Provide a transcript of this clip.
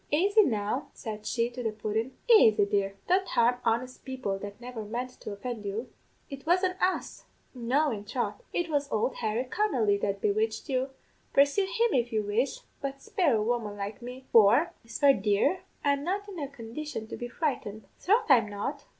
Aisy now,' said she to the pudden, 'aisy, dear; don't harm honest people that never meant to offend you. It wasn't us no, in troth, it was ould Harry Connolly that bewitched you; pursue him if you wish, but spare a woman like me; for, whisper, dear, I'm not in a condition to be frightened troth I'm not.'